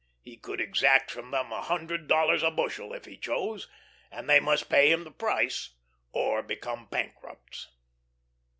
He could exact from them a hundred dollars a bushel if he chose, and they must pay him the price or become bankrupts.